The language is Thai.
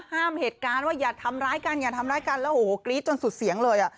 ห้ามเหตุการณ์ว่าอย่าทำร้ายกันกีตจนสุดเสียงเลย